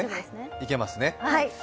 いけますね。